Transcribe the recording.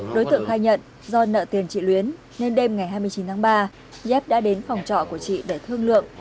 đối tượng khai nhận do nợ tiền chị luyến nên đêm ngày hai mươi chín tháng ba dép đã đến phòng trọ của chị để thương lượng